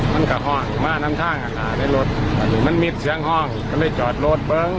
มันก็มีเสียงห้องก็จอดรถเบิ้ง